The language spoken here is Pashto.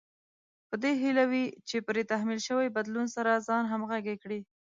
په دې هيله وي چې پرې تحمیل شوي بدلون سره ځان همغږی کړي.